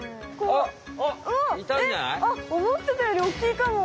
あっ思ってたより大きいかも！